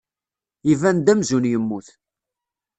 Iban-d amzun yemmut.